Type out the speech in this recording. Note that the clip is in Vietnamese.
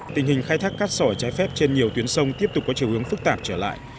tình hình khai thác cát sỏi trái phép trên nhiều tuyến sông tiếp tục có chiều hướng phức tạp trở lại